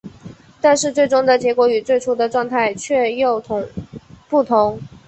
但是最终的结果与最初的状态却又不同。